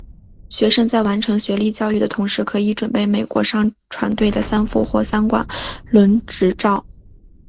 学生在完成学历教育的同时可以准备美国商船队的三副或三管轮执照。